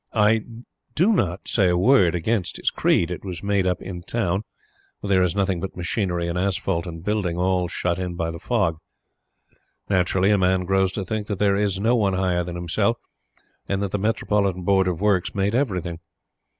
I do not say a word against this creed. It was made up in Town, where there is nothing but machinery and asphalt and building all shut in by the fog. Naturally, a man grows to think that there is no one higher than himself, and that the Metropolitan Board of Works made everything.